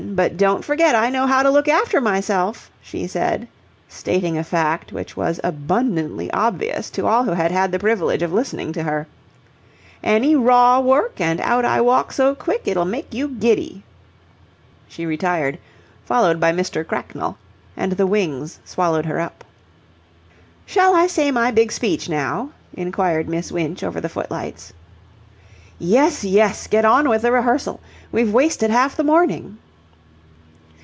But don't forget I know how to look after myself," she said, stating a fact which was abundantly obvious to all who had had the privilege of listening to her. "Any raw work, and out I walk so quick it'll make you giddy." She retired, followed by Mr. Cracknell, and the wings swallowed her up. "Shall I say my big speech now?" inquired Miss Winch, over the footlights. "Yes, yes! Get on with the rehearsal. We've wasted half the morning."